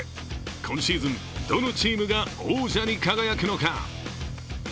今シーズン、どのチームが王者に輝くのか。